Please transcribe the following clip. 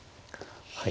はい。